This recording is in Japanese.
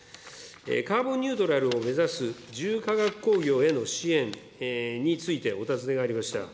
カーボンニュートラルを目指す重化学工業への支援についてお尋ねがありました。